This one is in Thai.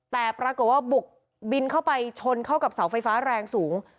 แต่ปรากฏว่าบุกบินเข้าไปชนเข้ากับเสาไฟฟ้าแรงสูง